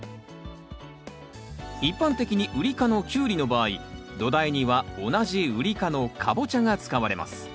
一般的にウリ科のキュウリの場合土台には同じウリ科のカボチャが使われます。